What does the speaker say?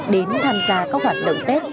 đến tham gia các hoạt động tết